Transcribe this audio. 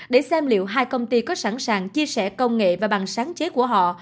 để xem liệu hai công ty có sẵn sàng chia sẻ công nghệ và bằng sáng chế của họ